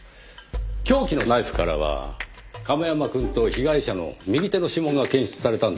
凶器のナイフからは亀山くんと被害者の右手の指紋が検出されたんでしたねぇ？